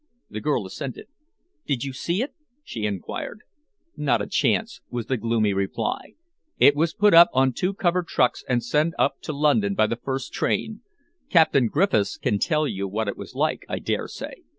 The girl assented. "Did you see it?" she enquired. "Not a chance," was the gloomy reply. "It was put on two covered trucks and sent up to London by the first train. Captain Griffiths can tell you what it was like, I dare say.